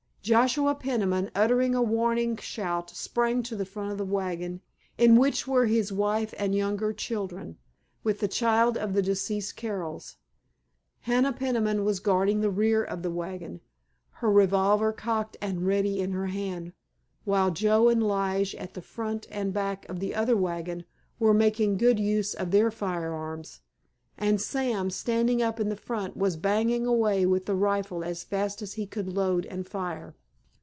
Joshua Peniman uttering a warning shout sprang to the front of the wagon in which were his wife and younger children, with the child of the deceased Carrolls. Hannah Peniman was guarding the rear of the wagon, her revolver cocked and ready in her hand, while Joe and Lige at the front and back of the other wagon were making good use of their firearms, and Sam, standing up in the front was banging away with the rifle as fast as he could load and fire.